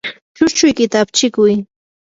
chushchuykita apchikuy.